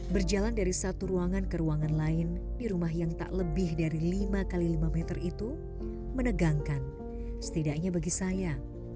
berjalan dari satu ruangan ke ruangan lain di rumah yang tak lebih dari lima x lima meter itu menegangkan setidaknya bagi saya